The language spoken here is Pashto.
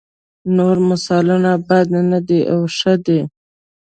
نور مثالونه بد نه دي او ښه دي.